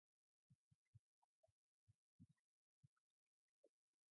Grimshaw Architects wins the tender.